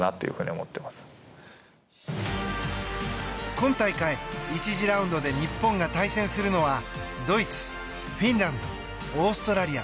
今大会、１次ラウンドで日本が対戦するのはドイツ、フィンランドオーストラリア。